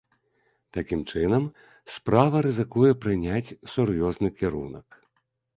Такім чынам, справа рызыкуе прыняць сур'ёзны кірунак.